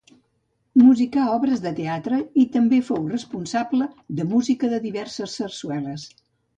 Musicà obres de teatre i també fou responsables de música de diverses sarsueles.